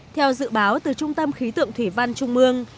theo dự báo từ trung tâm khí tượng thủy văn trung mương